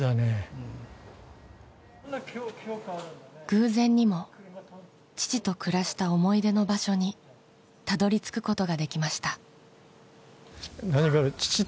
偶然にも父と暮らした思い出の場所にたどり着くことができました。